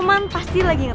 anda tau temen gue